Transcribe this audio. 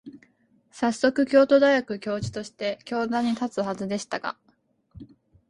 さっそく、京都大学教授として教壇に立つはずでしたが、